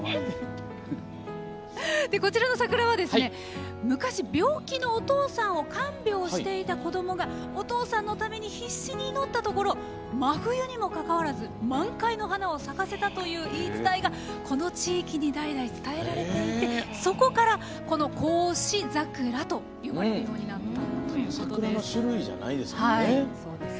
こちらの桜は、昔病気のお父さんを看病していた子どもがお父さんのために必死に祈ったところ真冬にもかかわらず満開の花を咲かせたという言い伝えが、この地域に代々、伝えられていてそこから、この孝子桜と呼ばれるようになった桜の種類じゃないんですね。